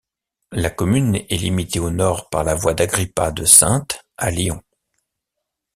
La commune est limitée au nord par la voie d'Agrippa de Saintes à Lyon.